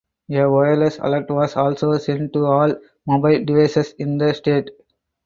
A wireless alert was also sent to all mobile devices in the state.